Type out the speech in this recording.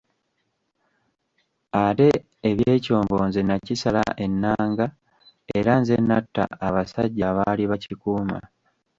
Ate eby'ekyombo nze nakisala ennanga era nze natta abasajja abaali bakikuuma.